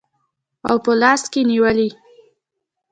او په لاس کې نیولي